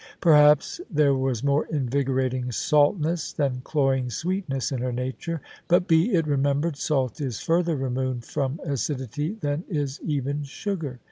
Perhaps there was more invigorating saltness than cloying sweetness in her nature: but be it remembered, salt is further removed from acidity than is even sugar.